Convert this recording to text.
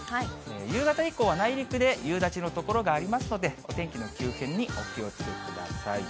夕方以降は内陸で夕立の所がありますので、お天気の急変にお気をつけください。